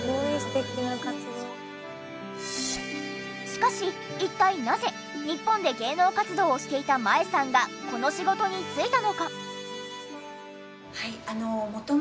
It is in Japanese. しかし一体なぜ日本で芸能活動をしていた麻恵さんがこの仕事に就いたのか？